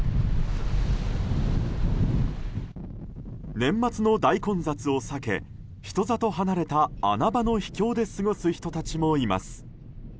年末の大混雑を避け人里離れた穴場の秘境で過ごす人たちもいます。